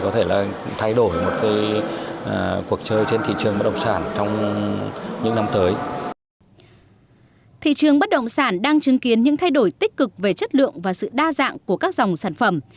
thị trường bất động sản đang chứng kiến những thay đổi tích cực về chất lượng và sự đa dạng của các dòng sản phẩm